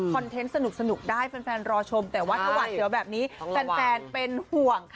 คอนเทนต์สนุกได้แฟนรอชมแต่วัดประวัติเหลือแบบนี้แฟนเป็นห่วงค่ะ